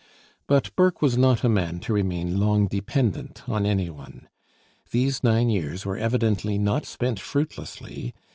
But Burke was not a man to remain long dependent on any one. These nine years were evidently not spent fruitlessly.